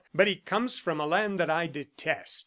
"But he comes from a land that I detest."